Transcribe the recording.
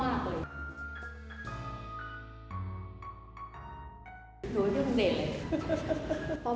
หรือว่าดูคุณเดชเลย